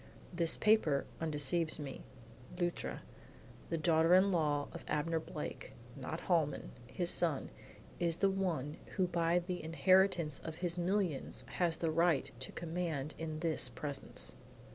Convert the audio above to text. This paper undeceives me. Luttra, the daughter in law of Abner Blake, not Holman, his son, is the one who by the inheritance of his millions has the right to command in this presence."